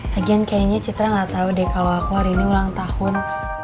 lagian kayaknya citra gak tau deh kalau aku hari ini ulang tahun